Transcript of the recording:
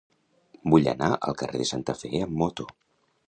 Vull anar al carrer de Santa Fe amb moto.